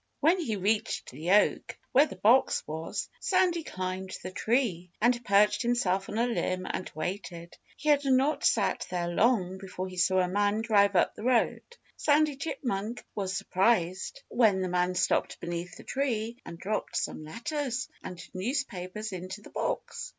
When he reached the oak, where the box was, Sandy climbed the tree and perched himself on a limb and waited. He had not sat there long before he saw a man drive up the road. Sandy Chipmunk was surprised when the man stopped beneath the tree and dropped some letters and newspapers into the box.